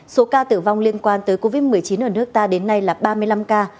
số ca tử vong liên quan tới covid một mươi chín ở nước ta đến nay là ba mươi năm ca